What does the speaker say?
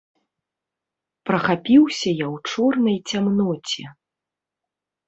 Прахапіўся я ў чорнай цямноце.